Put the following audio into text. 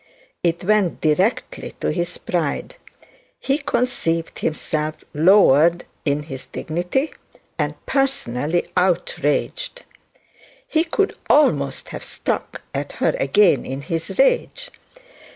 It went directly to his pride. He conceived himself lowered in his dignity, and personally outraged. He could almost have struck at her again in his rage.